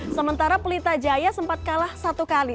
sementara pelita jaya sempat kalah satu kali